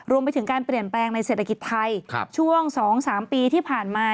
รวมไปถึงการเปลี่ยนแปลงในเศรษฐกิจไทยช่วง๒๓ปีที่ผ่านมา